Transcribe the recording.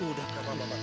udah gak apa apa pak